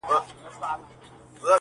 o د مړو کله په قيامت رضا نه وه!